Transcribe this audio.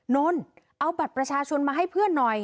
นนท์เอาบัตรประชาชนมาให้เพื่อนหน่อย